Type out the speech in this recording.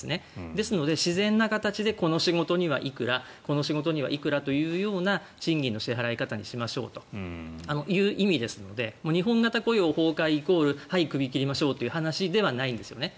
ですので自然な形でこの仕事にはいくらというような賃金の支払い方にしましょうという意味ですので日本型雇用崩壊イコールはい、クビ切りましょうという話ではないんですよね。